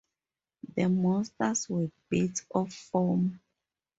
The monsters were bits of foam.